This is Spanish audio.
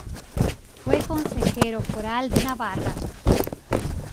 Fue Consejero Foral de Navarra.